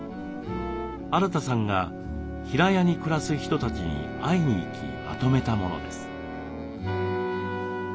アラタさんが平屋に暮らす人たちに会いに行きまとめたものです。